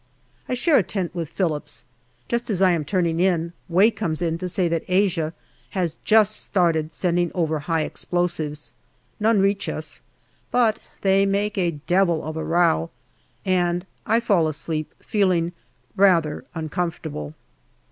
I share a tent with Phillips. Just as I am turning in, Way comes in to say that Asia has just started sending over high explosives. None reach us, but they make a devil of a row, and I fall asleep feeling rather uncomfortable.